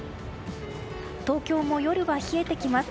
東京も夜は冷えてきます。